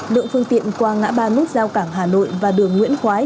lượng phương tiện qua ngã ba nút giao cảng hà nội và đường nguyễn quái